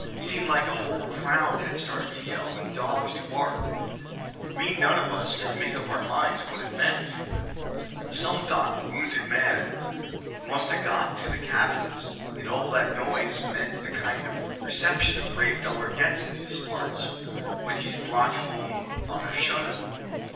"Seemed like a whole crowd had started to yell, and dogs to bark. We none of us could make up our minds what it meant. Some thought the wounded man must a got to the cabins, an' all that noise meant the kind of reception a brave feller gets in these parts when he's brought home on a shutter.